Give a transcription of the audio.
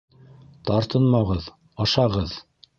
Тартынмағыҙ, ашағыҙ!